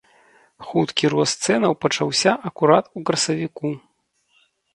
Хуткі рост цэнаў пачаўся акурат у красавіку.